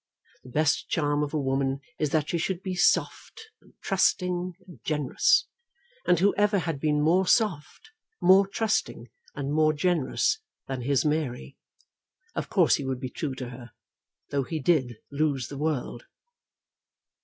The best charm of a woman is that she should be soft, and trusting, and generous; and who ever had been more soft, more trusting, and more generous than his Mary? Of course he would be true to her, though he did lose the world.